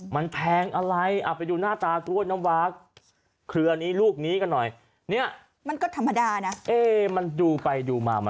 มันแพงอะไรไปดูหน้าตากล้วยน้ำว้าก